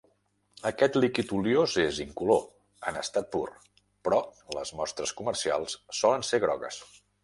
Aquest líquid oliós és incolor en estat pur, però les mostres comercials solen ser grogues.